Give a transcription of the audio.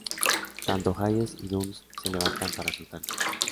Tanto Hayes y Dunst se levantan para soltarse.